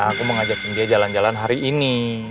aku mau ngajakin dia jalan jalan hari ini